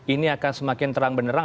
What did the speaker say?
ini akan semakin terang benerang